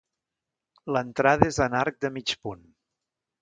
L'entrada és en arc de mig punt.